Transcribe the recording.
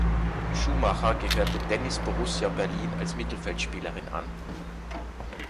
Schumacher gehörte Tennis Borussia Berlin als Mittelfeldspielerin an.